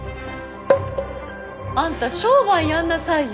あんた商売やんなさいよ。